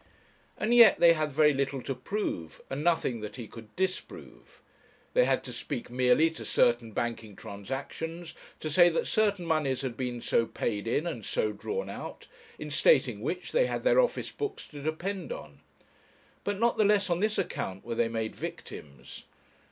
And yet they had very little to prove, and nothing that he could disprove. They had to speak merely to certain banking transactions, to say that certain moneys had been so paid in and so drawn out, in stating which they had their office books to depend on. But not the less on this account were they made victims.